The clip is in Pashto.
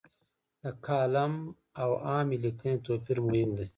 د کالم او عامې لیکنې توپیر مهم دی.